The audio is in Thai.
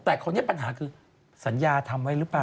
แต่คราวนี้ปัญหาคือสัญญาทำไว้หรือเปล่า